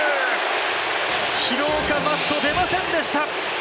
廣岡、バット出ませんでした。